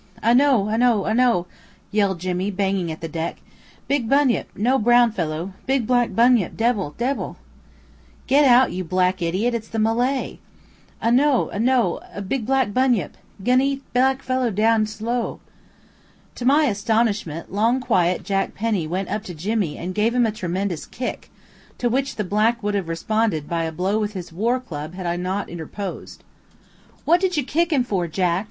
"A no a no a no," yelled Jimmy, banging at the deck. "Big bunyip no brown fellow big black bunyip debble, debble!" "Get out, you black idiot; it's the Malay." "A no a no a no; big black bunyip. 'Gin eat black fellow down slow." To my astonishment, long quiet Jack Penny went up to Jimmy and gave him a tremendous kick, to which the black would have responded by a blow with his war club had I not interposed. "What did you kick him for, Jack?"